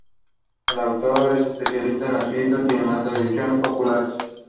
El autor es especialista en las fiestas y en tradiciones populares.